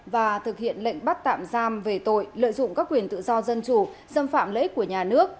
và thực hiện lệnh bắt tạm giam về tội lợi dụng các quyền tự do dân chủ xâm phạm lợi ích của nhà nước